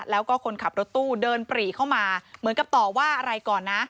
แล้วก็คนขับรถตู้เดินปรีเข้ามาเหมือนกับต่อว่าอะไรก่อนนะ